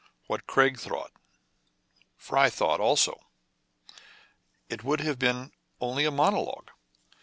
What Craig thought. Fry thought also. It would have been only a monologue.